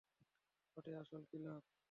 ওটাই আসল ক্লাব।